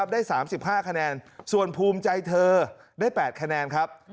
ได้๓๕คะแนนส่วนภูมิใจเธอได้๘คะแนนครับ